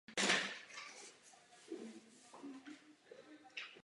Rod vymřel po meči.